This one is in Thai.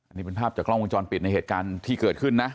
นี่เป็นภาพจากกล้องวงจรปิดในเหตุการณ์ที่เกิดขึ้นนะ